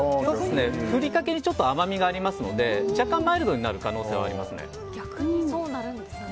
ふりかけにちょっと甘みがありますので若干マイルドになる可能性はありますね。